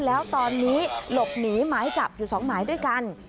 แล้วตอนนี้หลบหนีหมายจับอยู่๒หมายด้วยกัน